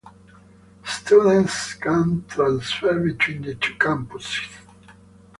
Students can transfer between the two campuses.